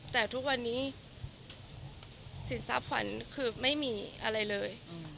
แต่ทุกวันนี้สินทรัพย์ขวัญคือไม่มีอะไรเลย